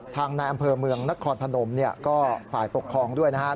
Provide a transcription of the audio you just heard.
ทางนายอำเภอเมืองนครพนมเนี่ยก็ฝ่ายปกครองด้วยนะครับ